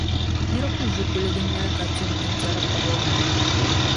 Nira ku ʒi kuliga noli ka tuhi nintɔri paɣ’ o nuu.